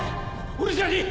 俺じゃねえ